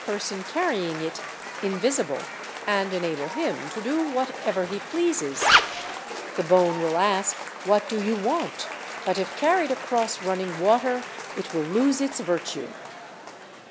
204 SOBQEBY AND OCCULT ARTS [Book VIII carrying it invisible and enable him to do whatever he pleases; the bone will ask "What do you want?" but if carried across running water it will lose its virtue.